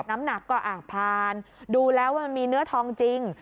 น้ำหนักก็ผ่านดูแล้วว่ามันมีเนื้อทองจริง